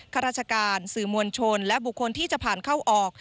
ข้าราชการสื่อมวลชนและบุคคลที่จะผ่านเข้าออก